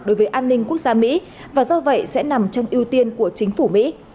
đối với an ninh quốc gia mỹ và do vậy sẽ nằm trong ưu tiên của chính phủ mỹ